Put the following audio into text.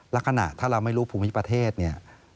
ลักษณะถ้าเราไม่รู้ภูมิประเทศเนี่ย